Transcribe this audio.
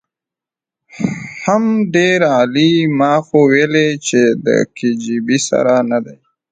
حم ډېر عالي ما خو ويلې چې د کي جي بي سره ندی.